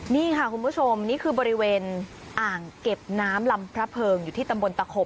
นี่ค่ะคุณผู้ชมนี่คือบริเวณอ่างเก็บน้ำลำพระเพิงอยู่ที่ตำบลตะขบ